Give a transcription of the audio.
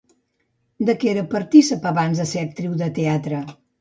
De què era partícip abans de ser actriu de teatre?